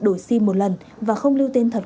đổi sim một lần và không lưu tên thật